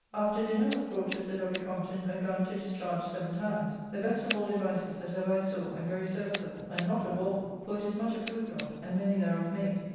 After dinner, was brought to Sir W. Compton a gun to discharge seven times, the best of all devices that ever I saw, and very serviceable, and not a bawble; for it is much approved of, and many thereof made.